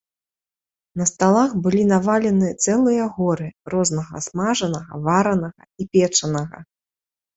На сталах былі навалены цэлыя горы рознага смажанага, варанага і печанага.